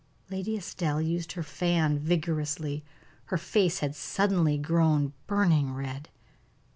Lady Estelle used her fan vigorously; her face had suddenly grown burning red.